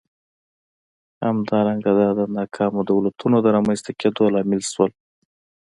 همدارنګه دا د ناکامو دولتونو د رامنځته کېدو لامل شول.